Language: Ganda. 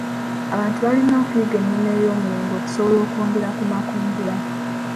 Abantu balina okuyiga ennima ey'omulembe okusobola okwongera ku makungula.